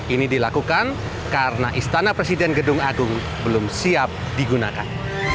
ini dilakukan karena istana presiden gedung agung belum siap digunakan